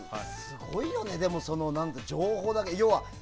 すごいよね、情報だけで。